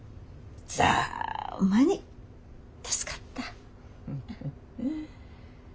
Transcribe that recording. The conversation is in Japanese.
ざぁまに助かった。